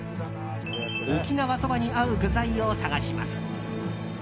沖縄そばに合う具材を探します。